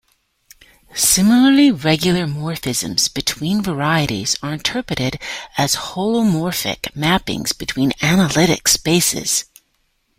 Similarly, regular morphisms between varieties are interpreted as holomorphic mappings between analytic spaces.